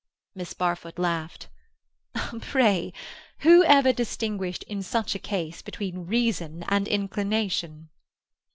Miss Barfoot laughed. "Pray, who ever distinguished in such a case between reason and inclination?"